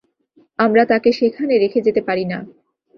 আমরা তাকে সেখানে রেখে যেতে পারি না।